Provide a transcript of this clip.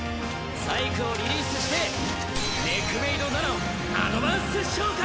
サイクをリリースしてネクメイド・ナナをアドバンス召喚！